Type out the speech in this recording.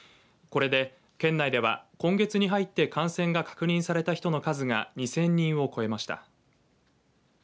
これで県内では今月に入って感染が確認された人の数が２０００人を超えました。